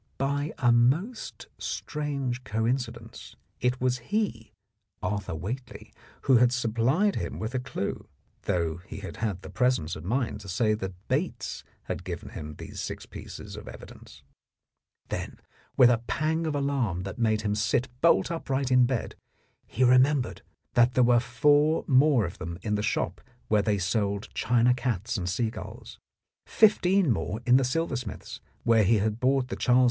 By a most strange coin cidence it was he, Arthur Whately, who had supplied him with a clue, though he had had the presence of mind to say that Bates had given him these six pieces of evidence. ... Then with a pang of alarm that made him sit bolt upright in bed, he remembered that there were four more of them in the shop where they sold china cats and seagulls, fifteen more in the silversmith's, where he had bought the Charles II.